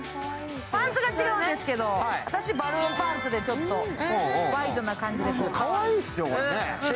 パンツが違うんですけど、私バルーンパンツでワイドな感じで。